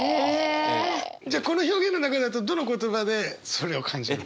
じゃあこの表現の中だとどの言葉でそれを感じるの？